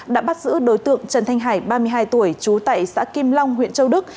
đã bắt giữ đối tượng trần thanh hải ba mươi hai tuổi trú tại xã kim long huyện châu đức